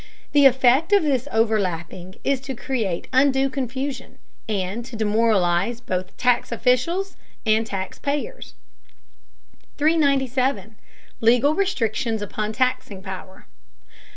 The effect of this overlapping is to create undue confusion, and to demoralize both tax officials and taxpayers. 397. LEGAL RESTRICTIONS UPON TAXING POWER.